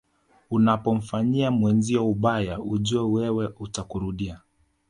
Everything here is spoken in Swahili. Unapomfanyia mwenzio ubaya ujue na wewe utakurudia